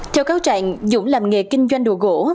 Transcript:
theo cáo trạng dũng làm nghề kinh doanh đồ gỗ